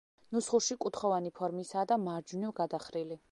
ნუსხურში კუთხოვანი ფორმისაა და მარჯვნივ გადახრილი.